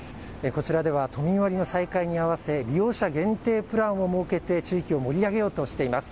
こちらでは都民割が再開に合わせ利用者限定プランを設けて地域を盛り上げようとしています。